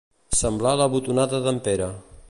Semblar la botonada d'en Pere.